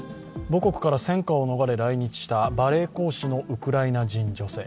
母国から戦火を逃れ来日したバレエ講師のウクライナ人女性。